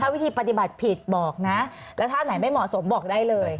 วิธีปฏิบัติผิดบอกนะแล้วถ้าไหนไม่เหมาะสมบอกได้เลย